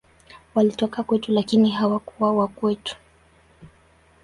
Walitoka kwetu, lakini hawakuwa wa kwetu.